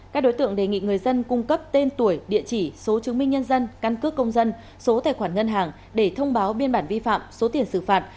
các đối tượng đề nghị người dân cung cấp tên tuổi địa chỉ số chứng minh nhân dân căn cước công dân số tài khoản ngân hàng để thông báo biên bản vi phạm số tiền xử phạt